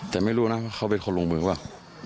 แต่ไม่รู้นะเขาเป็นคนลงทุนหรือเปล่า